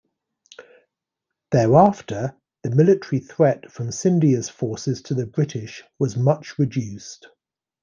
Thereafter, the military threat from Scindia's forces to the British was much reduced.